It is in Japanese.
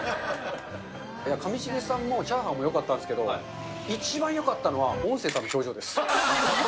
上重さんもチャーハンもよかったんですけど、一番よかったのは、音声さんの表情です。